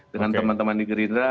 dengan teman teman di gerindra